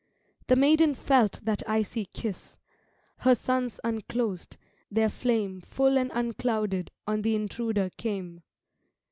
The maiden felt that icy kiss: Her suns unclosed, their flame Full and unclouded on th' intruder came.